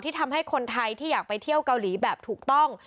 ทำให้คนไทยที่อยากไปเที่ยวเกาหลีแบบถูกต้อง